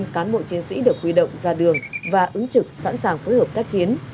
một trăm linh cán bộ chiến sĩ được huy động ra đường và ứng trực sẵn sàng phối hợp tác chiến